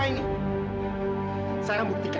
seperti saya membuktikan